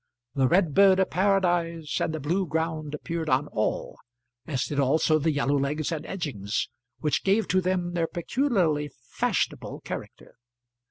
The red bird of paradise and the blue ground appeared on all, as did also the yellow legs and edgings which gave to them their peculiarly fashionable character.